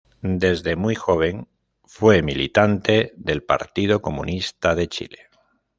Desde muy joven fue militante del Partido Comunista de Chile.